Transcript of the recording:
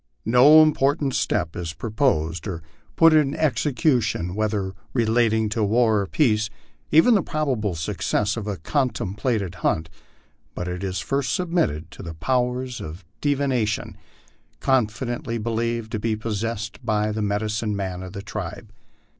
No important step is proposed or put in execution, whether relating to war or peace, even the probable success of a contemplated hunt, but is first submitted to the powers of dirination confident ly believed to be possessed by the medicine man of the tribe.